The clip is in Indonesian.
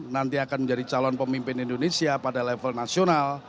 nanti akan menjadi calon pemimpin indonesia pada level nasional